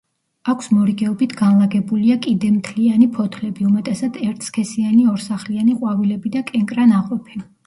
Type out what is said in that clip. აქვს მორიგეობით განლაგებულია კიდემთლიანი ფოთლები, უმეტესად ერთსქესიანი ორსახლიანი ყვავილები და კენკრა ნაყოფი.